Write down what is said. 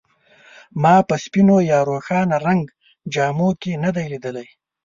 ما په سپینو یا روښانه رنګ جامو کې نه دی لیدلی.